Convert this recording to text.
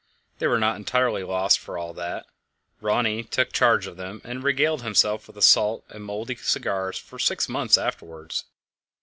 They were not entirely lost for all that; Rönne took charge of them, and regaled himself with salt and mouldy cigars for six months afterwards.